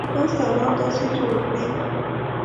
د انعکاس دوران داسې جوړ کړئ: